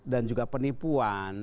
dan juga penipuan